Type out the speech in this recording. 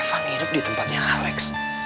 reva nginep di tempatnya alex